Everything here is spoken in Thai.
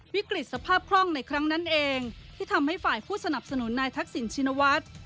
วิกฤตสภาพคล่องในครั้งนั้นเองที่ทำให้ฝ่ายผู้สนับสนุนนายทักษิณชินวัฒน์